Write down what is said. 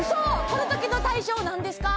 この時の大賞何ですか？